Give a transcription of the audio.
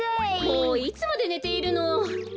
もういつまでねているの。